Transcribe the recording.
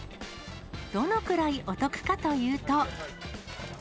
どのくらいお得かというと。